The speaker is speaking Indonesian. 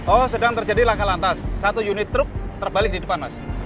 oh sedang terjadi laka lantas satu unit truk terbalik di depan mas